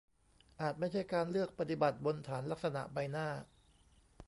อาจไม่ใช่การเลือกปฏิบัติบนฐานลักษณะใบหน้า